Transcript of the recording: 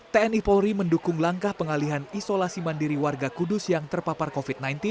tni polri mendukung langkah pengalihan isolasi mandiri warga kudus yang terpapar covid sembilan belas